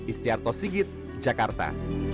istiarto sigit jakarta